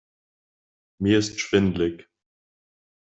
Mir ist schwindelig.